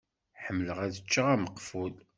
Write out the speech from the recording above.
Ḥemmleɣ ad ččeɣ ameqful.